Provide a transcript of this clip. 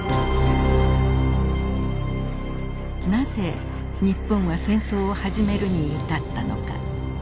なぜ日本は戦争を始めるに至ったのか。